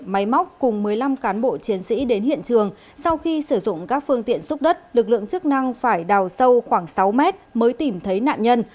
máy móc cùng một mươi năm cán bộ chiến sĩ đến hiện trường sau khi sử dụng các phương tiện xúc đất lực lượng chức năng phải đào sâu khoảng sáu mét mới tìm thấy nạn nhân